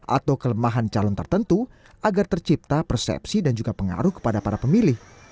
atau kelemahan calon tertentu agar tercipta persepsi dan juga pengaruh kepada para pemilih